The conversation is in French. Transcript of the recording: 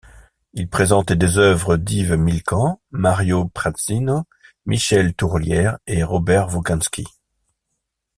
Il présente des œuvres d'Yves Millecamps, Mario Prassinos, Michel Tourlière ou Robert Wogensky.